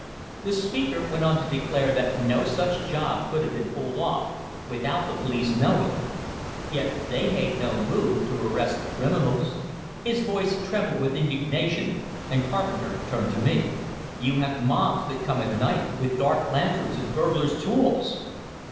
The speaker went on to declare that no such job could have been pulled off without the police knowing; yet they made no move to arrest the criminals. His voice trembled with indignation; and Carpenter turned to me. "You have mobs that come at night, with dark lanterns and burglars' tools!"